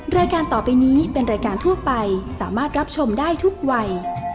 รายการต่อไปนี้เป็นรายการทั่วไปสามารถรับชมได้ทุกวัย